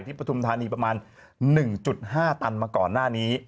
ปฐุมธานีประมาณ๑๕ตันมาก่อนหน้านี้